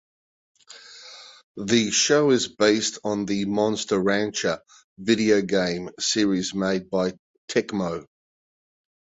The show is based on the "Monster Rancher" video game series made by Tecmo.